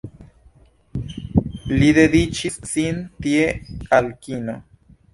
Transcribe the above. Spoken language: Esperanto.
Li dediĉis sin tie al kino.